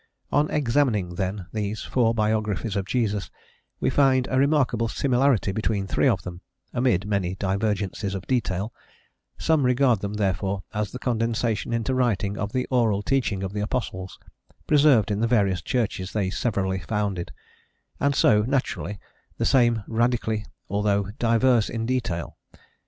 On examining, then, these four biographies of Jesus, we find a remarkable similarity between three of them, amid many divergencies of detail; some regard them, therefore, as the condensation into writing of the oral teaching of the apostles, preserved in the various Churches they severally founded, and so, naturally, the same radically, although diverse in detail.